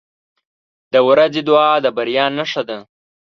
• د ورځې دعا د بریا نښه ده.